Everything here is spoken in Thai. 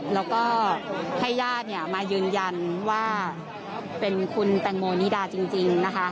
แล้วก็ให้ญาติมายืนยันว่าเป็นคุณแตงโมนิดาจริงนะคะ